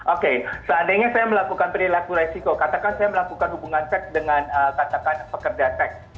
oke seandainya saya melakukan perilaku resiko katakan saya melakukan hubungan seks dengan katakan pekerja seks